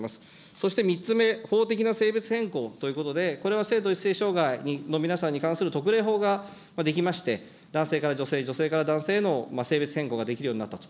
そして３つ目、法的な性別変更ということで、これは性同一性障害の皆さんに関する特例法が出来まして、男性から女性、女性から男性への性別変更ができるようになったと。